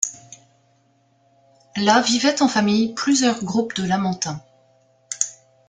Là vivaient en famille plusieurs groupes de lamantins.